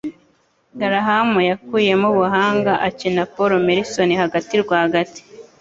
Graham yakuyemo ubuhanga akina Paul Merson hagati rwagati